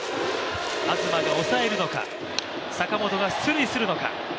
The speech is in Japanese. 東が抑えるのか、坂本が出塁するのか。